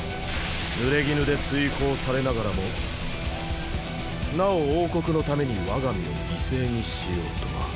濡れ衣で追放されながらもなお王国のために我が身を犠牲にしようとは。